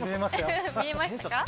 見えましたよ。